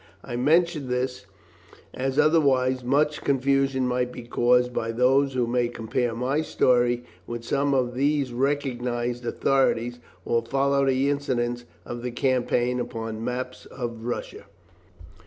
I mention this, as otherwise much confusion might be caused by those who may compare my story with some of these recognized authorities, or follow the incidents of the campaign upon maps of Russia.